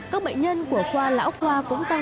các bệnh nhân của khoa lão khoa cũng tăng một mươi năm